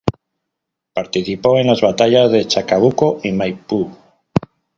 Participó en las batallas de Chacabuco y Maipú.